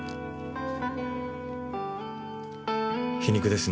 皮肉ですね